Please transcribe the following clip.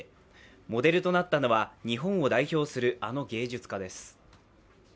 モデルとなったのは日本を代表するあの芸術家です。